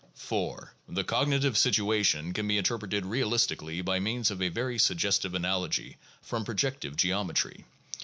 4. The cognitive situation can be interpreted realistically by means of a very suggestive analogy from projective geometry.